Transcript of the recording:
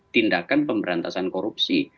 tindakan pemberantasan korupsi